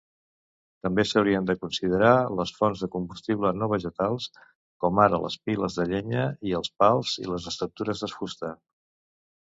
També s'haurien de considerar les fonts de combustible no vegetals, com ara les piles de llenya i els pals i les estructures de fusta.